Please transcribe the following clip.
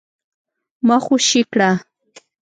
ما خوشي کړه ؟